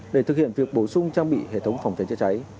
để thực hiện việc bổ sung trang bị hệ thống phòng cháy chữa cháy